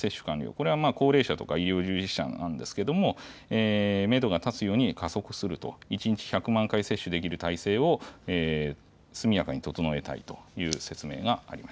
これは高齢者とか医療従事者なんですけれども、メドが立つように加速すると、１日１００万回接種できる体制を速やかに整えたいという説明があ